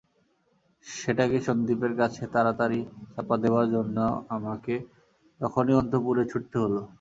সেটাকে সন্দীপের কাছে তাড়াতাড়ি চাপা দেবার জন্যে আমাকে তখনই অন্তঃপুরে ছুটতে হল।